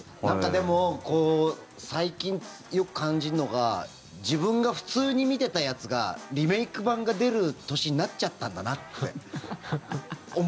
なんか、でも最近よく感じるのが自分が普通に見てたやつがリメイク版が出る年になっちゃったんだなって。